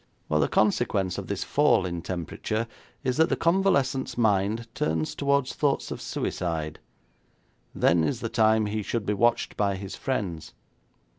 'Well, the consequence of this fall in temperature is that the convalescent's mind turns towards thoughts of suicide. Then is the time he should be watched by his friends.